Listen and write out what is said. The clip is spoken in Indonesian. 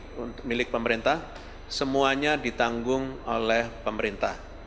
fasilitas pelayanan publik milik pemerintah semuanya ditanggung oleh pemerintah